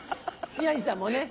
宮治さんもね